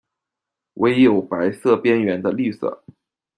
为有白色边缘的绿色。